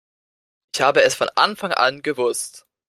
Ich habe es von Anfang an gewusst!